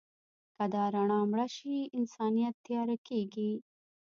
که دا رڼا مړه شي، انسانیت تیاره کېږي.